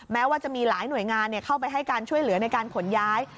แม้ว่าจะมีหลายหน่วยงานเข้าไปให้การช่วยเหลือในการขนย้าย